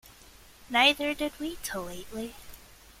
Neither did we till lately.